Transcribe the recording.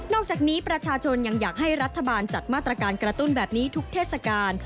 อกจากนี้ประชาชนยังอยากให้รัฐบาลจัดมาตรการกระตุ้นแบบนี้ทุกเทศกาล